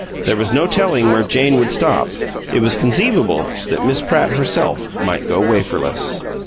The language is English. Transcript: There was no telling where Jane would stop; it was conceivable that Miss Pratt herself might go waferless.